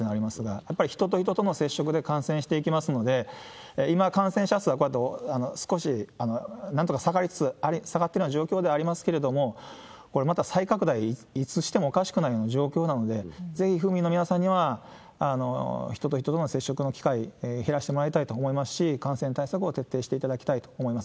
やっぱり人と人との接触で感染していきますので、今、感染者数はこうやって少しなんとか下がってるような状況ではありますけれども、これ、また再拡大、いつしてもおかしくないような状況なので、ぜひ府民の皆さんには、人と人との接触の機会、減らしてもらいたいと思いますし、感染対策を徹底していただきたいと思います。